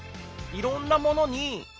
いろんなものに。